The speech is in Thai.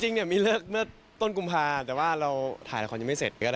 เนี่ยมีเลิกเมื่อต้นกุมภาแต่ว่าเราถ่ายละครยังไม่เสร็จก็ได้